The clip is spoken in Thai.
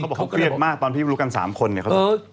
เขาบอกเขาเครียดมากตอนพี่รู้กันสามคนเนี่ยเขา